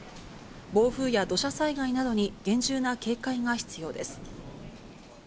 暴風や土砂災害などに厳重な警戒が必要です。